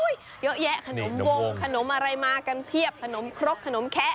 เยอะแยะขนมวงขนมอะไรมากันเพียบขนมครกขนมแคะ